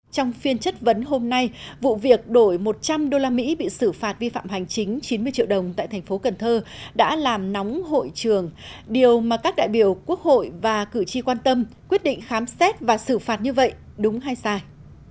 trong phiên chất vấn hôm nay vụ việc đổi một trăm linh usd bị xử phạt vi phạm hành chính chín mươi triệu đồng tại thành phố cần thơ đã làm nóng hội trường điều mà các đại biểu quốc hội và cử tri quan tâm quyết định khám xét và xử phạt như vậy đúng hay sai